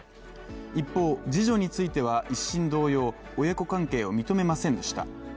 一方、次女については１審同様、親子関係を認めませんでした。